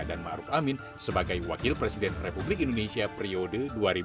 dan ma'ruf amin sebagai wakil presiden republik indonesia periode dua ribu sembilan belas dua ribu dua puluh empat